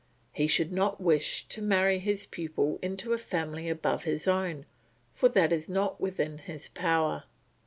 He should not wish to marry his pupil into a family above his own, for that is not within his power.